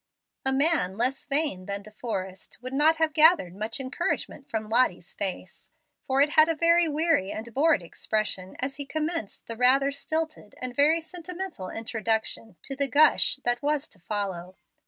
A man less vain than De Forrest would not have gathered much encouragement from Lottie's face, for it had a very weary and bored expression as he commenced the rather stilted and very sentimental introduction to the "gush" that was to follow.